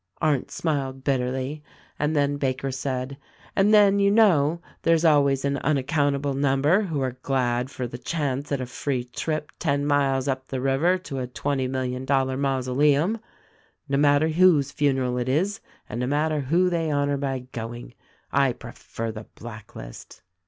Arndt smiled bitterly, and then Baker said, "And then, you know there's always an unaccountable number who are glad for the chance at a free trip ten miles up the river to a twenty million dollar mausoleum — no matter whose funeral it is, and no matter who they honor by going. I prefer the blacklist."